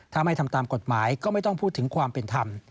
ถ้าไม่ทำตามกฎหมายก็ไม่ต้องพูดถึงความเป็นธรรม